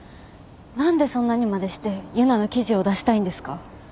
何でそんなにまでして結奈の記事を出したいんですか？